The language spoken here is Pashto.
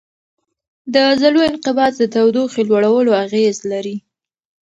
د عضلو انقباض د تودوخې لوړولو اغېز لري.